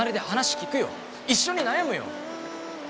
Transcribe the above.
一緒に悩むよ！